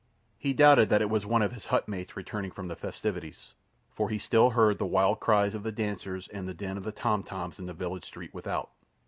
He doubted that it was one of his hut mates returning from the festivities, for he still heard the wild cries of the dancers and the din of the tom toms in the village street without.